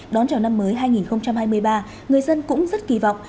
đón chào năm mới hai nghìn hai mươi ba người dân cũng rất kỳ vọng